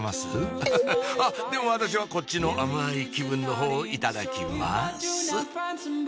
アハハあっでも私はこっちの甘い気分のほうをいただきます